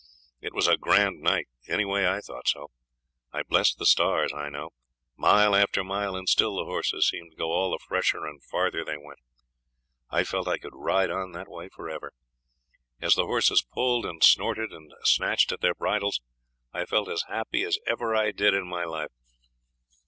It was a grand night, anyway I thought so. I blessed the stars, I know. Mile after mile, and still the horses seemed to go all the fresher the farther they went. I felt I could ride on that way for ever. As the horses pulled and snorted and snatched at their bridles I felt as happy as ever I did in my life.